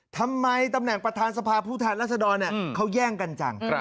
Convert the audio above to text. ทำไมตำแหน่งประธานสภาพุทธรรษฎรเนี่ยเขาย่างกันจัง